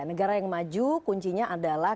negara yang maju kuncinya adalah